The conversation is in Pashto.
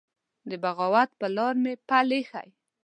د بغاوت پر لار مي پل يښی